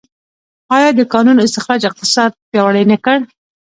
آیا د کانونو استخراج اقتصاد پیاوړی نه کړ؟